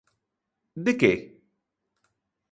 De que?